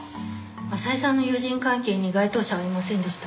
浅井さんの友人関係に該当者はいませんでした。